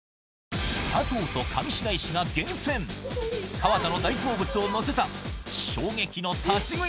川田の大好物をのせた衝撃の立ち食い